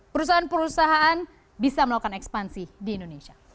perusahaan perusahaan bisa melakukan ekspansi di indonesia